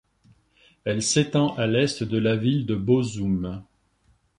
Elle s’étend à l’est de la ville de Bozoum.